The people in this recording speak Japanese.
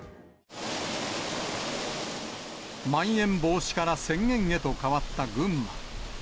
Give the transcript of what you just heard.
まん延防止から宣言へと変わった群馬。